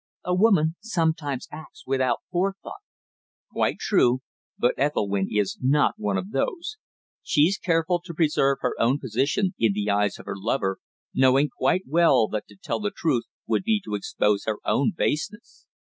"A woman sometimes acts without forethought." "Quite true; but Ethelwynn is not one of those. She's careful to preserve her own position in the eyes of her lover, knowing quite well that to tell the truth would be to expose her own baseness.